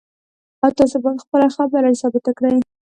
تاسو باید خپله خبره ثابته کړئ